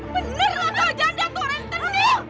bener lah kau janda tuh orang tenir